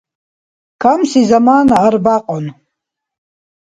Камси замана арбякьун.